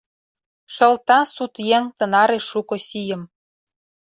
Шылта сут еҥ тынаре шуко сийым.